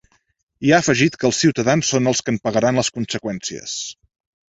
I ha afegit que els ciutadans són els que en pagaran les conseqüències.